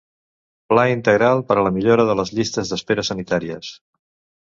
Pla integral per a la millora de les llistes d'espera sanitàries.